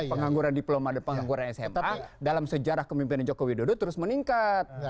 pengangguran diploma dan pengangguran sma dalam sejarah kemimpinan jokowi dodo terus meningkat